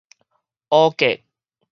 烏格